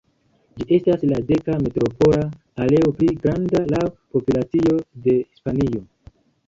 Ĝi estas la deka metropola areo pli granda laŭ populacio de Hispanio.